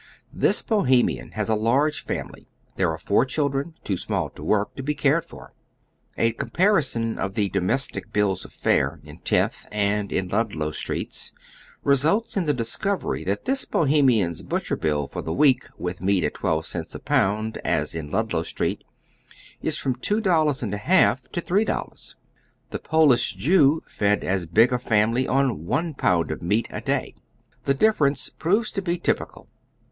This Bohemian has a large family ; there are four children, too small to work, to be eared for, A comparison of the domestic bills of fare in Tenth and in Lndlow Streets results iti the discovery that tliis Bohem ian's butcher's bill for the week, with meat at twelve cents a pound as in Ludlow Street, is from two dollars and a half to three dollars. The Polish Jew fed as big a family oil one pound o£ meat a day. The difference proves to be typical.